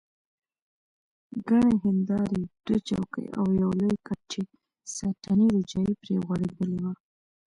ګڼې هندارې، دوه چوکۍ او یو لوی کټ چې ساټني روجایې پرې غوړېدلې وه.